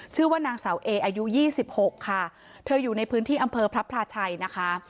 ชื่อว่านางสาวเออายุยี่สิบหกค่ะเธออยู่ในพื้นที่อำเภอพระพลาชัยนะคะ